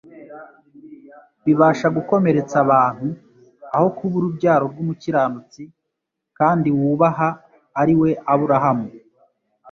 bibasha gukomeretsa abantu, aho kuba urubyaro rw'umukiranutsi kandi wubaha ariwe Aburahamu